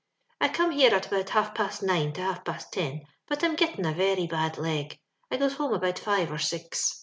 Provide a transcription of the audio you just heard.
"I come here at about half past nine to half past ten, but I'm gitting a very bad leg. I goes home about five or six.